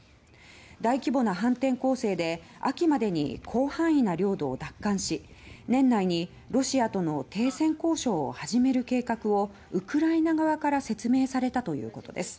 大規模な反転攻勢で秋までに広範囲な領土を奪還し年内にロシアとの停戦交渉を始める計画をウクライナ側から説明されたということです。